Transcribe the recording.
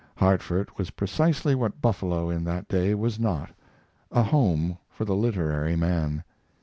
Hartford was precisely what Buffalo in that day was not a home for the literary man.